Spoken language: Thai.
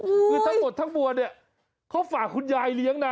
คือทั้งหมดทั้งมวลเนี่ยเขาฝากคุณยายเลี้ยงนะ